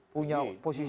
punya posisi bagus